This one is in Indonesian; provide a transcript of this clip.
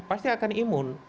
pasti akan imun